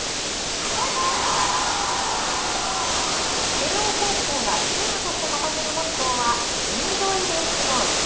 慶応高校がチームとして掲げるモットーはエンジョイ・ベースボール。